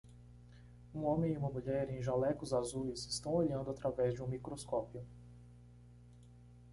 Um homem e uma mulher em jalecos azuis estão olhando através de um microscópio.